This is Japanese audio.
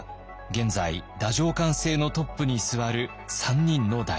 現在太政官制のトップに座る３人の大臣。